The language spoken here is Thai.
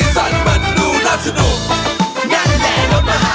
สวัสดีครับ